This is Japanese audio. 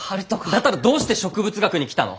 だったらどうして植物学に来たの？